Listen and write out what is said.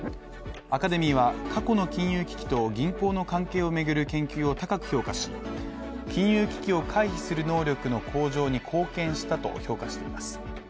アカデミーは過去の金融危機と銀行の関係を巡る研究を高く評価し、金融危機を回避する能力の向上に貢献したと評価しています。